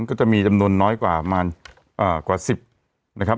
ก็จะมีจำนวนน้อยกว่า๑๐นะครับ